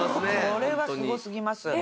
これはすごすぎます。